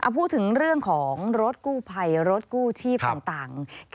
พูดถึงเรื่องของรถกู้ภัยรถกู้ชีพต่าง